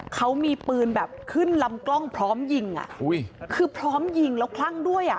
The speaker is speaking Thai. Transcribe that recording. เขามีปืนแบบขึ้นลำกล้องพร้อมยิงอ่ะอุ้ยคือพร้อมยิงแล้วคลั่งด้วยอ่ะ